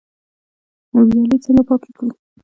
ویالې څنګه پاکې کړو؟